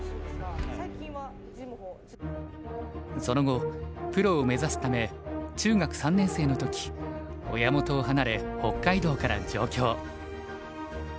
その後プロを目指すため中学３年生の時親元を離れ北海道から上京。